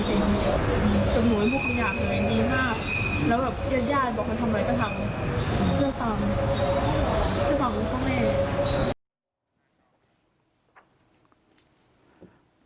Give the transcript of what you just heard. ถึงหนุ๊ยพูดคำอย่างหนุ๊ยดีมากแล้วแยดบอกมันทำอะไรก็ทำเชื่อตามเธอบอกว่าเขาไม่